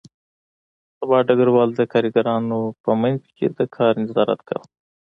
سبا ډګروال د کارګرانو په منځ کې د کار نظارت کاوه